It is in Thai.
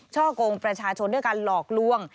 ช่อกงประชาชนด้วยการหลอกลวง